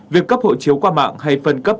việc cấp hộ chiếu qua mạng hay phân cấp